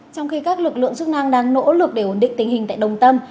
trong khi các lực lượng chức năng đang nỗ lực để ổn định tình hình tại đồng tâm